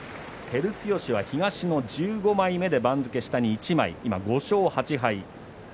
照強は東の１５枚目で番付下に一枚、今、５勝８敗。